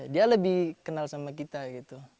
dia lebih kenal sama kita gitu